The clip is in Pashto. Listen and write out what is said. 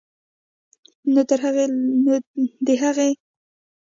نو د هغې له پاره به اول پۀ خپل سوچ او اېکزیکيوشن کار کوي